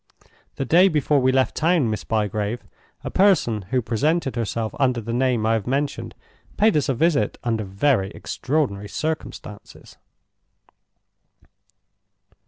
The day before we left town, Miss Bygrave, a person who presented herself under the name I have mentioned paid us a visit under very extraordinary circumstances."